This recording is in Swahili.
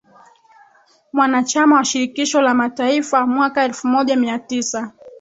mwanachama wa Shirikisho la Mataifa mwaka elfu Moja mia Tisa